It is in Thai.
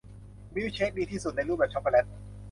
มิลค์เชคดีที่สุดในรูปแบบช็อกโกแลต